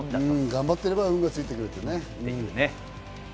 頑張ってれば運は付いてくるってね。